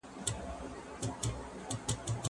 د لويي جرګې تاریخي بنسټ چا ایښی دی؟